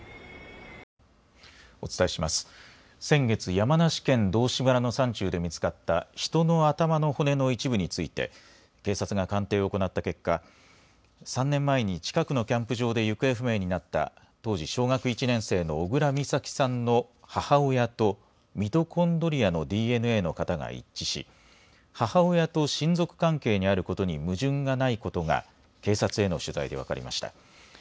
先月、山梨県道志村の山中で見つかった人の頭の骨の一部について警察が鑑定を行った結果、３年前に近くのキャンプ場で行方不明になった当時小学１年生の小倉美咲さんの母親とミトコンドリアのＤＮＡの型が一致し母親と親族関係にあることに矛盾がないことが警察への取材で分かりました。